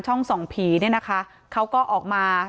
ส่องผีเนี่ยนะคะเขาก็ออกมา